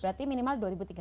delapan ratus berarti minimal